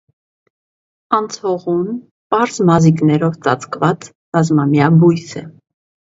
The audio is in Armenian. Անցողուն, պարզ մազիկներով ծածկված բազմամյա բույս է։